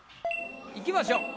いきましょう。